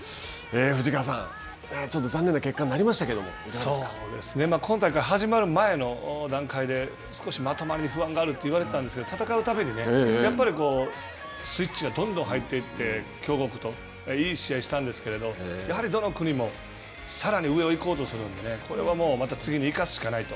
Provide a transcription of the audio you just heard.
藤川さん、ちょっと残念な結果に今大会始まる前の段階で、少しまとまりに不安があると言われていたんですけれども、戦うたびにやっぱりスイッチがどんどん入っていって、強豪国といい試合をしたんですけれども、やはりどの国もさらに上を行こうとするので、これはまた次に生かすしかないと。